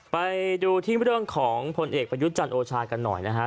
ไปดูที่เรื่องของผลเอกประยุทธ์จันทร์โอชากันหน่อยนะฮะ